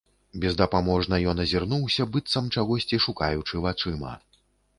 Бездапаможна ён азірнуўся, быццам чагосьці шукаючы вачыма.